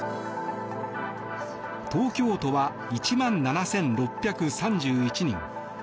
東京都は１万７６３１人。